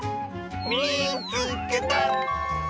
「みいつけた！」。